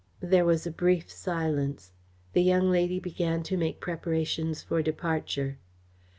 There was a brief silence. The young lady began to make preparations for departure.